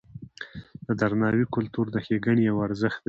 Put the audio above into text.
د درناوي کلتور د ښېګڼې یو ارزښت دی.